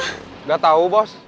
nggak tahu bos